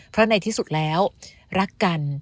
เพราะในที่สุดแล้วรักกัน